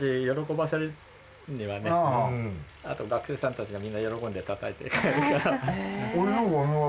あと学生さんたちがみんな喜んで叩いて。